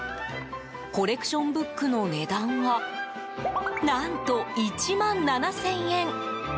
コレクションブックの値段は何と１万７０００円！